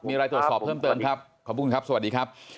มีอะไรตรวจสอบเพิ่มเติมครับขอบคุณครับสวัสดีครับ